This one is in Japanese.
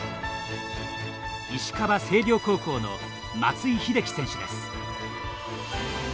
石川・星稜高校の松井秀喜選手です。